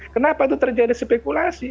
kenapa itu terjadi spekulasi